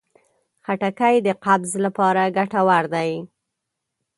خټکی د قبض لپاره ګټور دی.